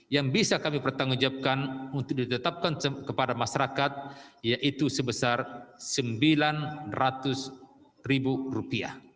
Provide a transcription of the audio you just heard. yang bisa kami pertanggungjawabkan untuk ditetapkan kepada masyarakat yaitu sebesar rp sembilan ratus